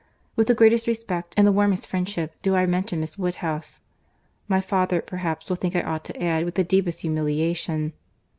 With the greatest respect, and the warmest friendship, do I mention Miss Woodhouse; my father perhaps will think I ought to add, with the deepest humiliation.